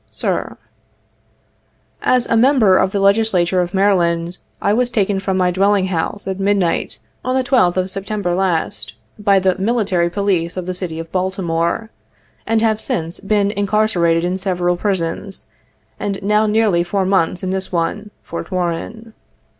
"Sir:— " As a member of the Legislature of Maryland, I was taken from my dwelling house, at midnight of the 12th of September last, by the military police of the city of Baltimore, and have since been incarcerated in several prisons, and now nearly four months in this one, Fort Warren.